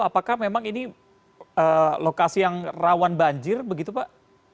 apakah memang ini lokasi yang rawan banjir begitu pak